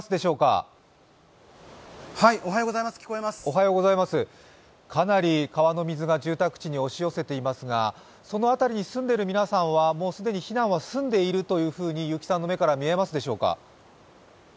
結城さん、かなり川の水が住宅地に押し寄せていますがその辺りに住んでいる皆さんはもう避難は住んでいると見えますでしょうか。